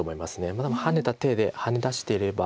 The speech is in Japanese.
でもハネた手でハネ出していれば。